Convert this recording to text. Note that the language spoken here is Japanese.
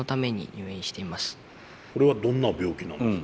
それはどんな病気なんですか？